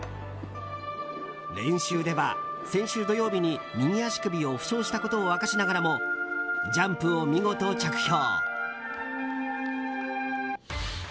練習では、先週土曜日に右足首を負傷したことを明かしながらもジャンプを見事着氷。